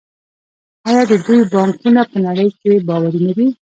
آیا د دوی بانکونه په نړۍ کې باوري نه دي؟